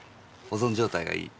保存状態がいい。